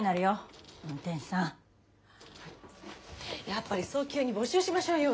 やっぱり早急に募集しましょうよ